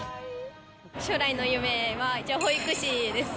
将来の夢は一応、保育士です。